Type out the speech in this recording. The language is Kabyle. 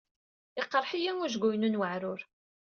Yeqreḥ-iyi ujgu-inu n uɛrur.